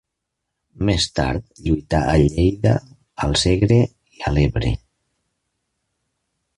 Més tard, lluità a Lleida, al Segre i a l'Ebre.